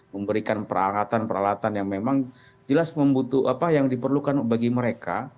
memberikan peralatan peralatan yang memang jelas membutuhkan apa yang diperlukan bagi mereka